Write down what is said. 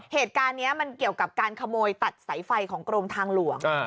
เหตุการณ์นี้มันเกี่ยวกับการขโมยตัดสายไฟของกรมทางหลวง